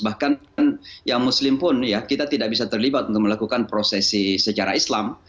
bahkan yang muslim pun ya kita tidak bisa terlibat untuk melakukan prosesi secara islam